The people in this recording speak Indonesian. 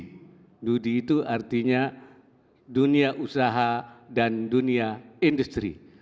studi itu artinya dunia usaha dan dunia industri